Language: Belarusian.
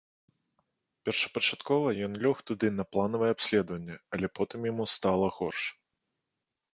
Першапачаткова ён лёг туды на планавае абследаванне, але потым яму стала горш.